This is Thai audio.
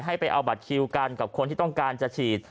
ให้ไปเอาบัตรคิวกันกับคนที่ต้องการจะฉีด